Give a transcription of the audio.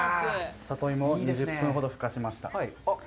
里芋を２０分ほど、ふかしました。